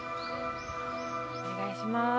お願いします